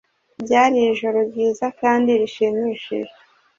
Byari ijoro ryiza kandi rishimishije.